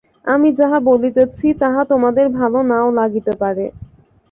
আমি যাহা বলিতেছি, তাহা তোমাদের ভাল নাও লাগিতে পারে।